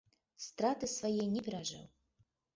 Страты свае не перажыў.